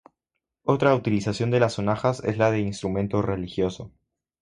Otra utilización de las sonajas es la de instrumento religioso.